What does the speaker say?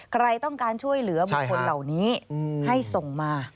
ใครต้องการช่วยเหลือบุคคลเหล่านี้ให้ส่งมา